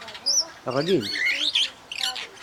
Ɣlint.